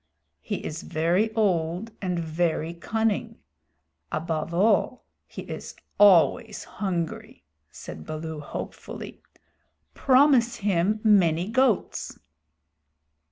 "He is very old and very cunning. Above all, he is always hungry," said Baloo hopefully. "Promise him many goats."